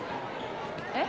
えっ？